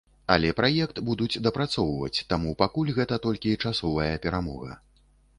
Але праект будуць дапрацоўваць, таму пакуль гэта толькі часовая перамога.